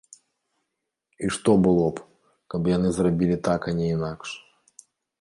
І што было б, каб яны зрабілі так, а не інакш?